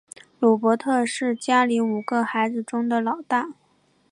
鲁伯特是家里五个孩子中的老大。